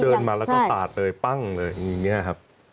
เดินมาแล้วก็สาดเลยปั้งเลยอย่างนี้ครับ